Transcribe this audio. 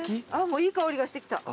もういい香りがしてきた。